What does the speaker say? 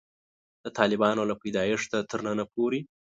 د طالبانو له پیدایښته تر ننه پورې.